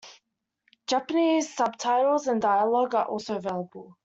Japanese subtitles and dialogue are also available.